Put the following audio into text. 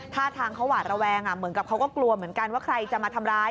ท่าทางเขาหวาดระแวงเหมือนกับเขาก็กลัวเหมือนกันว่าใครจะมาทำร้าย